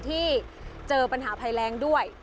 ที่เจอปัญหาภัยแรงด้วย